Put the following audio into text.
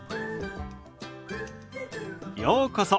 ようこそ。